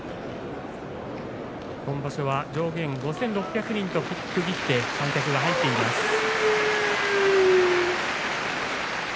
今場所は上限５６００人と区切って、観客が入っています。